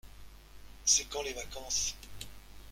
C’est quand les vacances ?